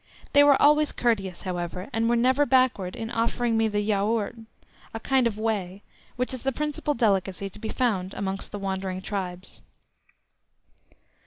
They were always courteous, however, and were never backward in offering me the youart, a kind of whey, which is the principal delicacy to be found amongst the wandering tribes.